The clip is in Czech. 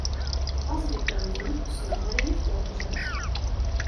Vazby proměnných jsou uvedeny v těle požadavku.